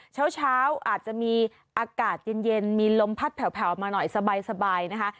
เช้าอาจจะมีอากาศเย็นมีลมพัดแผลวมาหน่อยสบายนะคะ